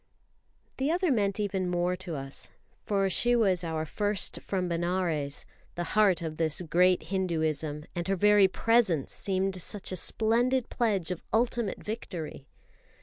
The other meant even more to us, for she was our first from Benares, the heart of this great Hinduism; and her very presence seemed such a splendid pledge of ultimate victory.